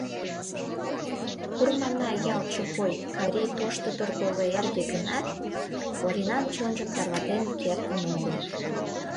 Курманай ял Чопой Каври тошто торговой эрге гынат, Оринан чонжым тарватен кертын огыл.